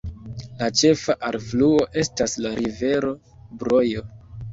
La ĉefa alfluo estas la rivero Brojo.